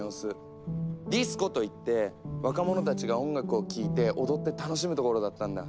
「ディスコ」といって若者たちが音楽を聴いて踊って楽しむ所だったんだ。